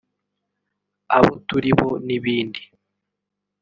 abo turibo n’ibindi